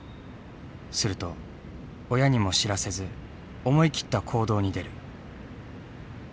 すると親にも知らせず思い切った行動に出る。